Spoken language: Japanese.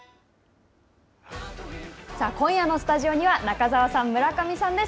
さあ、今夜のスタジオには、中澤さん、村上さんです。